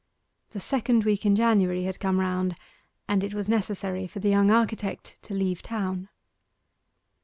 The second week in January had come round, and it was necessary for the young architect to leave town.